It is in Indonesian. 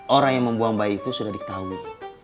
orang yang membuang bayi itu sudah diketahui